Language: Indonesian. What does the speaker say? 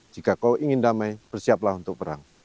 jika kau ingin damai bersiaplah untuk perang